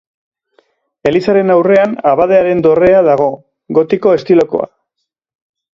Elizaren aurrean abadearen dorrea dago, gotiko estilokoa.